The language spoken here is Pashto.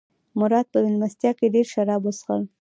مراد په مېلمستیا کې ډېر شراب وڅښل.